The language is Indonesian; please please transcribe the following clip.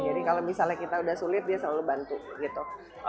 jadi kalau misalnya kita sudah sulit dia selalu bantu gitu